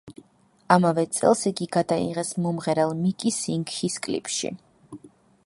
ამავე წელს იგი გადაიღეს მომღერალ მიკი სინგჰის კლიპში.